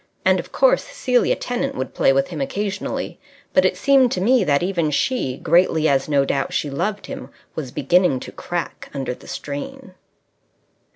And, of course, Celia Tennant would play with him occasionally; but it seemed to me that even she, greatly as no doubt she loved him, was beginning to crack under the strain.